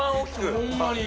ほんまに。